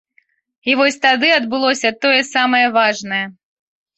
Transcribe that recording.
І вось тады адбылося тое самае важнае.